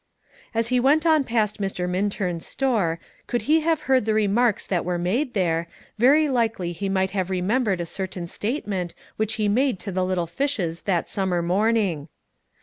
As he went on past Mr. Minturn's store, could he have heard the remarks that were made there, very likely he might have remembered a certain statement which he made to the little fishes that summer morning.